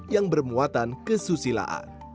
yang bermuatan kesusilaan